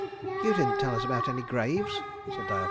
"You didn't tell us about any graves," said Diavolo.